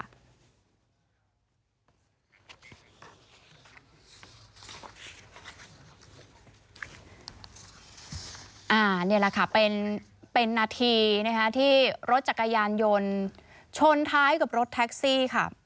นี่แหละค่ะเป็นนาทีนะคะที่รถจักรยานยนต์ชนท้ายกับรถแท็กซี่ค่ะ